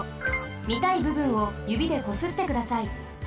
みたいぶぶんをゆびでこすってください。